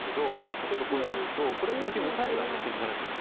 例えばこういうふうにやるとこれ部分的にオサエが先手になるんです。